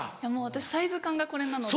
私サイズ感がこれなので。